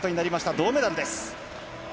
銅メダルです。